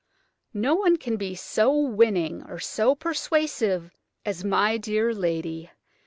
No one can be so winning or so persuasive as my dear lady.